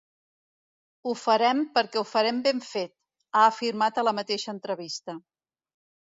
“Ho farem perquè ho farem ben fet”, ha afirmat a la mateixa entrevista.